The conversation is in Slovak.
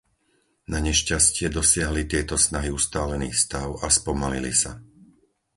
Nanešťastie dosiahli tieto snahy ustálený stav a spomalili sa.